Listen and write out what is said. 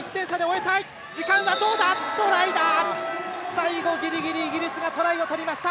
最後、ギリギリイギリスがトライを取りました。